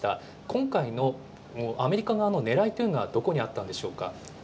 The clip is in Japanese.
今回のアメリカ側のねらいというのはどこにあったんでしょうか。